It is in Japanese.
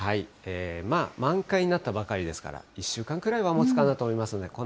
まあ、満開になったばかりですから、１週間くらいは持つかなと思いますね。